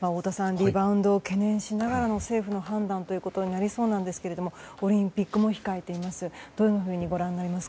リバウンドを懸念しながらの政府の判断ということになりそうなんですけどオリンピックも控えています。